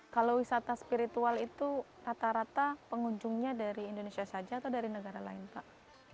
kalau wisata spiritual itu rata rata pengunjungnya dari indonesia saja atau dari negara lain pak